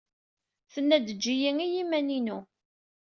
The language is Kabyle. Yenna-d: Ejj-iyi i yiman-inu!